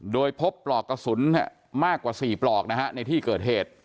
โดยพบปลอกกระสุนมากกว่า๔ปลอกนะฮะในที่เกิดเหตุ